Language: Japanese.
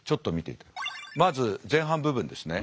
まず前半部分ですね。